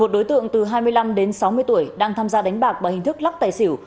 một đối tượng từ hai mươi năm đến sáu mươi tuổi đang tham gia đánh bạc bằng hình thức lắc tài xỉu